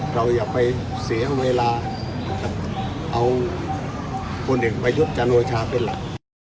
เราอย่าไปเสียเวลาเอาคนอื่นไปยุดจันโอชาเป็นหลัก